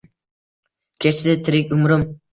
Kechdi tirik umrim